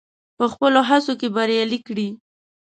په خپلو هڅو کې بريالی کړي.